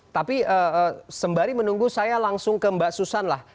tapi sembari menunggu saya langsung ke mbak susan lah